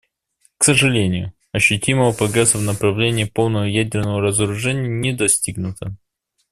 К сожалению, ощутимого прогресса в направлении полного ядерного разоружения не достигнуто.